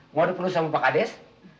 mau dipenuhi sama pak kades